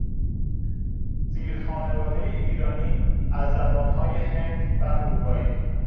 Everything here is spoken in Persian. زیر خانواده ایرانی از زبانهای هند و اروپایی